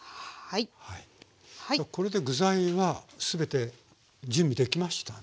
これで具材は全て準備できましたね？